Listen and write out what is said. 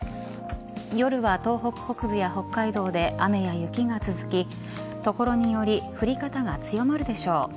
夜は東北北部や北海道で雨や雪が続き所により降り方が強まるでしょう。